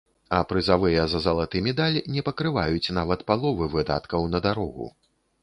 А прызавыя за залаты медаль не пакрываюць нават паловы выдаткаў на дарогу.